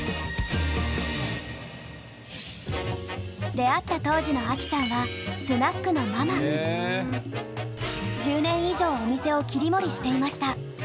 出会った当時のアキさんは１０年以上お店を切り盛りしていました。